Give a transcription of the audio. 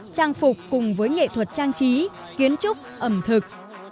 trang phục cùng với nghệ thuật trang trí kiến trúc ẩm thực